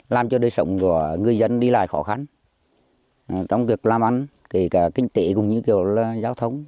làm cho đời sống của người dân đi lại khó khăn trong việc làm ăn kể cả kinh tế cũng như kiểu là giao thông